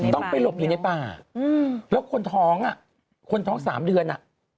ต้องไปหลบหนีในป่าแล้วคนท้อง๓เดือน